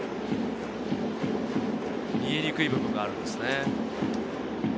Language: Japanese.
見えにくい部分があるんですね。